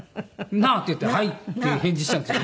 「なあ？」って言って「はい」って返事したんですよ